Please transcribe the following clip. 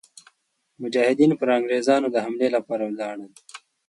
مجاهدین پر انګرېزانو د حملې لپاره ولاړل.